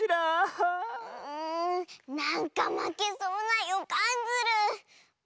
んなんかまけそうなよかんズル。